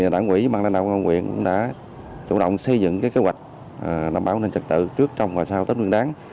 đảng quỹ mang lên đạo quân huyện đã chủ động xây dựng kế hoạch bảo đảm an ninh trật tự trước trong và sau tết nguyên đáng